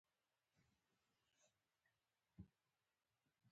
زردالو د افغانستان د اقتصادي ودې لپاره پوره ارزښت لري.